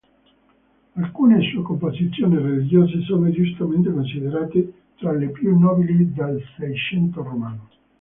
Alcune sue composizioni religiose sono giustamente considerate tra le più nobili del Seicento romano.